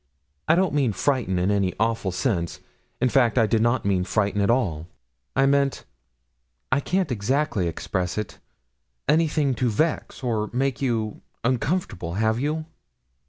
'I don't mean frighten in any awful sense in fact, I did not mean frighten at all. I meant I can't exactly express it anything to vex, or make you uncomfortable; have you?'